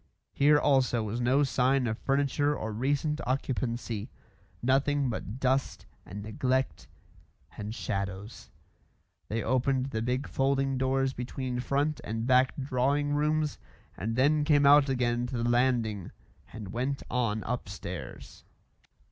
Here also was no sign of furniture or recent occupancy; nothing but dust and neglect and shadows. They opened the big folding doors between front and back drawing rooms and then came out again to the landing and went on upstairs.